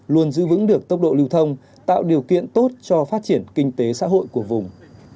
luôn giữ vững được tốc độ lưu thông tạo điều kiện tốt cho phát triển kinh tế xã hội của vùng